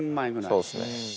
そうっすね。